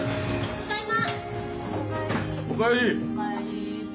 ただいま。